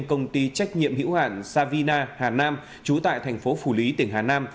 công ty trách nhiệm hữu hạn savina hà nam trú tại thành phố phủ lý tỉnh hà nam